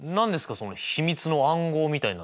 その秘密の暗号みたいなのは。